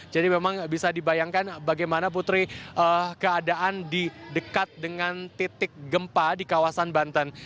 jadi memang bisa dibayangkan bagaimana putri keadaan di dekat dengan titik gempa di kawasan banten